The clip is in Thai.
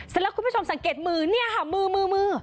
เสร็จแล้วคุณผู้ชมสังเกตมือเนี่ยค่ะมือ